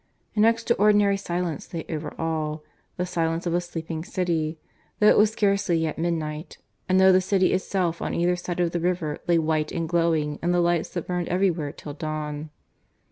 An extraordinary silence lay over all the silence of a sleeping city though it was scarcely yet midnight, and though the city itself on either side of the river lay white and glowing in the lights that burned everywhere till dawn.